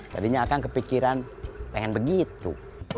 jadinya akan kepikiran pengen begitu